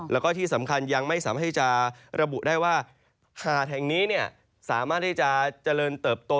แล้วก็ที่สำคัญยังไม่สามารถให้จะระบุได้ว่าหาดแห่งนี้สามารถที่จะเจริญเติบโต